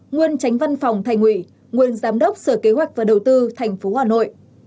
nguyên tránh văn phòng thành ủy nguyên giám đốc sở kế hoạch và đầu tư tp hà nội